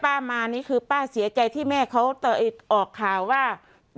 ตอนนี้ที่ป้ามานี่คือป้าเสียใจที่แม่เขาออกข่าวว่า